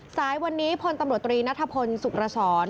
ซ้ายวันนี้พนตรรีนัทภพนศุกรสร